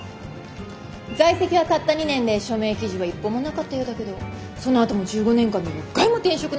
在籍はたった２年で署名記事は一本もなかったようだけどそのあとも１５年間で６回も転職なさってるわよね。